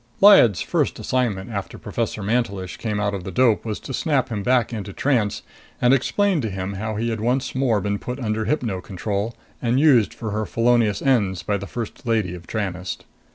Lyad's first assignment after Professor Mantelish came out of the dope was to snap him back into trance and explain to him how he had once more been put under hypno control and used for her felonious ends by the First Lady of Tranest.